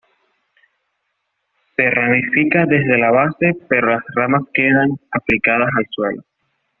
Se ramifica desde la base pero las ramas quedan aplicadas al suelo.